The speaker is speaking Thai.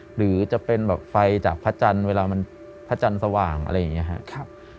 หรือจะเป็นแบบไฟจากพระจันทร์เวลามันพระจันทร์สว่างอะไรอย่างนี้ครับ